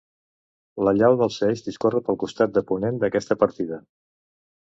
La llau del Seix discorre pel costat de ponent d'aquesta partida.